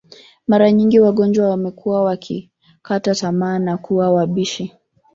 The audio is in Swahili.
Mara nyingi wagonjwa wamekuwa wakikata tamaa na kuwa wabishi